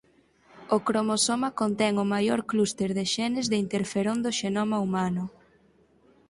O cromosoma contén o maior clúster de xenes de interferón do xenoma humano.